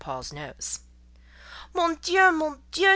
Paul's nose. "Mon Dieu! Mon Dieu!"